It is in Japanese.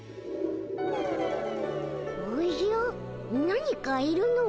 何かいるの。